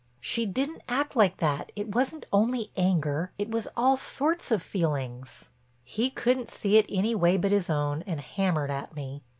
"She didn't act like that—it wasn't only anger—it was all sorts of feelings." He couldn't see it any way but his own and hammered at me.